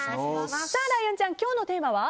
ライオンちゃん、今日のテーマは。